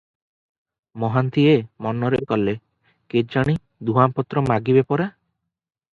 ମହାନ୍ତିଏ ମନରେ କଲେ, କେଜାଣି ଧୂଆଁପତ୍ର ମାଗିବେ ପରା?